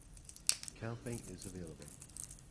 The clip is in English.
Camping is available.